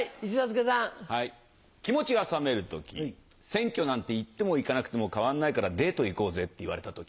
「選挙なんて行っても行かなくても変わんないからデート行こうぜ」って言われた時。